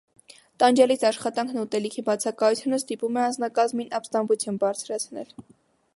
Տանջալից աշխատանքն ու ուտելիքի բացակայությունը ստիպում է անձնակազմին ապստամբություն բարձրացնել։